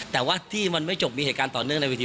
แต่ว่าที่มันไม่จบมีเหตุการณ์ต่อเนื่องในวิธี